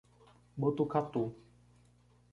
Botucatu